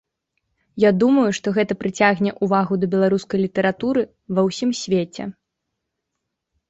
Я думаю, што гэта прыцягне ўвагу да беларускай літаратуры ва ўсім свеце.